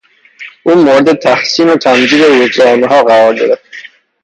او مورد تحسین و تمجید روزنامهها قرار گرفت.